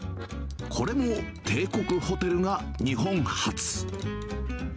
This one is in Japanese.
これも帝国ホテルが日本初。